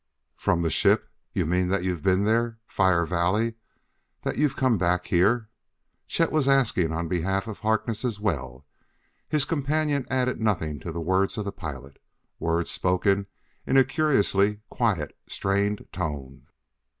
"From the ship? You mean that you've been there Fire Valley? That you've come back here?" Chet was asking on behalf of Harkness as well: his companion added nothing to the words of the pilot words spoken in a curiously quiet, strained tone.